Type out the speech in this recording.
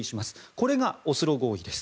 これがオスロ合意です。